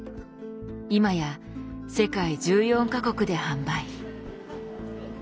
今や世界１４か国で販売。